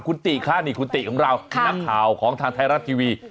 คุณติคะนี่คุณติของเรานักข่าวของทางไทยรัฐทีวี